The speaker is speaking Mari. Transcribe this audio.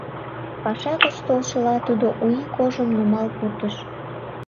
Паша гыч толшыла тудо У ий кожым нумал пуртыш.